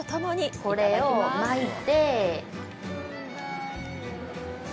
これを巻いて。